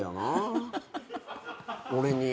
俺に。